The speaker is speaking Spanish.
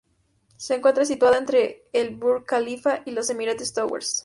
Se encuentra situado entre el entre el Burj Khalifa y las Emirates Towers.